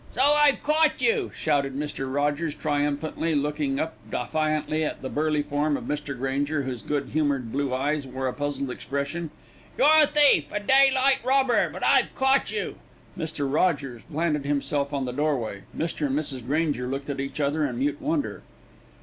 "So I've caught you," shouted Mr. Rogers triumphantly, looking up defiantly at the burly form of Mr. Granger, whose good humoured blue eyes wore a puzzled expression. "You're a thief, a daylight robber; but I've caught you." Mr. Rogers planted himself in the doorway. Mr. and Mrs. Granger looked at each other in mute wonder.